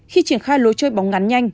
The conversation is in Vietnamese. khi triển khai lối chơi bóng ngắn nhanh